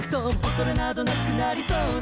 「恐れなどなくなりそうだな」